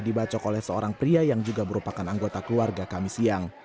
dibacok oleh seorang pria yang juga merupakan anggota keluarga kami siang